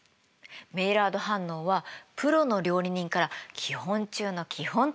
メイラード反応はプロの料理人から基本中の基本といわれてるの。